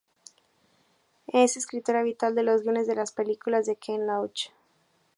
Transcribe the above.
Es escritor habitual de los guiones de las películas de Ken Loach.